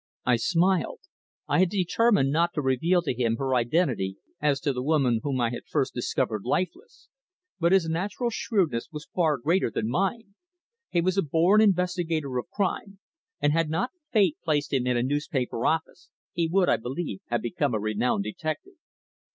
I smiled. I had determined not to reveal to him her identity as the woman whom I had first discovered lifeless, but his natural shrewdness was far greater than mine. He was a born investigator of crime, and had not Fate placed him in a newspaper office, he would, I believe, have become a renowned detective.